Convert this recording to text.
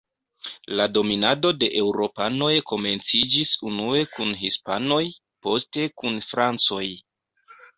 La dominado de eŭropanoj komenciĝis unue kun hispanoj, poste kun francoj.